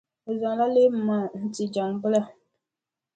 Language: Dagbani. O zaŋ leemu maa n-ti Jaŋʼ bila.